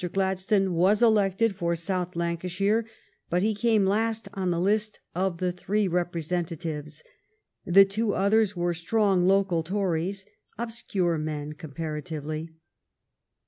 Gladstone was elected for South Lancashire, but he came last on the list of the three repre sentatives. The two others were strong local Tories — obscure men, comparatively.